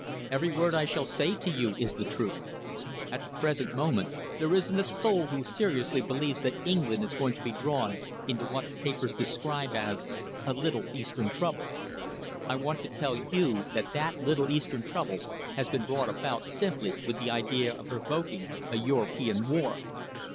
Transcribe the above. Every word I shall say to you is the truth. At the present moment there isn't a soul who seriously believes that England is going to be drawn into what the papers describe as a little eastern trouble. I want to tell you that that little eastern trouble has been brought about simply with the idea of provoking a European war.